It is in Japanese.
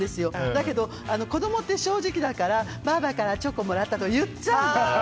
だけど、子供って正直だからばあばからチョコもらったって言っちゃうのよ。